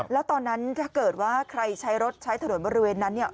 แล้วตอนนั้นถ้าเกิดว่าใครใช้รถใช้ถนนบริเวณนั้นเนี่ย